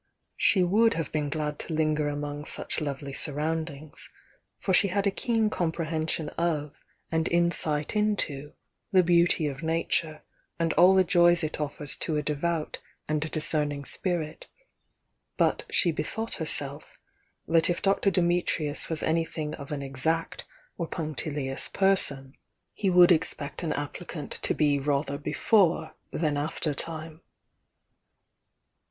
She would have been glad to linger among such lovely surroundings, for shs had a keen com prehension of and insight into the beauty of Nature and all the joys it offers to a devout and discerning spirit, but she bethought herself that if Dr. Dimit rius was anything of an exact or punctilious person, 104 THE YOUNG DIANA he would expect an applicant to be rather before than after time.